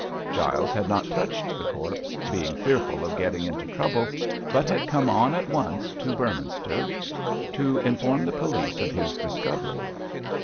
Giles had not touched the corpse, being fearful of getting into trouble, but had come on at once to Beorminster to inform the police of his discovery.